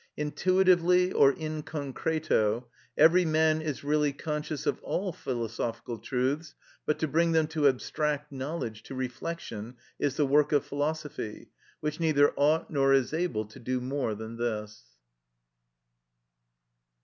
Intuitively or in concreto, every man is really conscious of all philosophical truths, but to bring them to abstract knowledge, to reflection, is the work of philosophy, which neither ought nor is able to do more than this.